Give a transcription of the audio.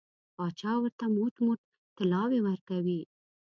پاچا ورته موټ موټ طلاوې ورکوي.